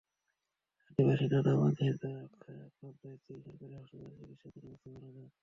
আদিবাসী দানা মাঝির যক্ষ্মায় আক্রান্ত স্ত্রী সরকারি হাসপাতালে চিকিৎসাধীন অবস্থায় মারা যান।